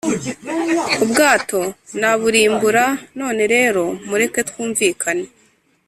Ubwato naburimbura None rero mureke twumvikane